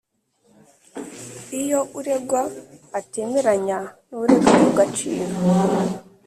Iyo uregwa atemeranya n urega ku gaciro